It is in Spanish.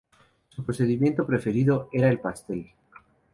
Su procedimiento preferido era el pastel.